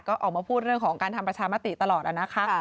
ก็ออกมาพูดเรื่องของการทำประชามติตลอดนะคะ